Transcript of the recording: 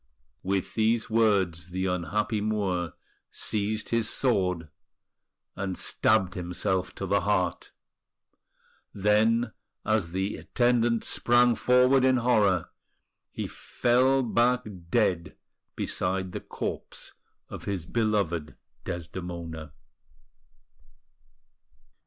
With these words the unhappy Moor seized his sword, and stabbed himself to the heart; then, as the attendants sprang forward in horror, he fell back dead beside the corpse of his beloved Desdemona.